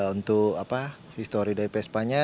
untuk apa history dari vespanya